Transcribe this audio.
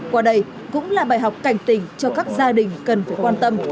qua đây cũng là bài học cảnh tỉnh cho các gia đình cần phải quan tâm